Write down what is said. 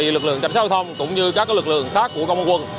lực lượng cảnh sát giao thông cũng như các lực lượng khác của công an quân